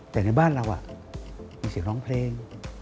แต่ในบ้านเรามีเสียงร้องเพลง